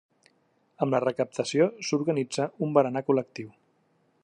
Amb la recaptació s’organitza un berenar col·lectiu.